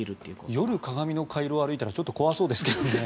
夜、鏡の回廊を歩いたら怖そうですけどね。